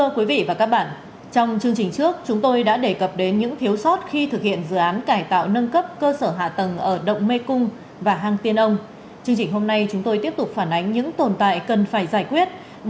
các bạn hãy đăng ký kênh để ủng hộ kênh của chúng mình nhé